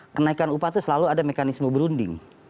kenaikan upah itu selalu ada mekanisme berunding